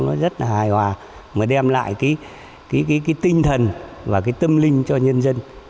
nó rất là hài hòa mà đem lại cái tinh thần và cái tâm linh cho nhân dân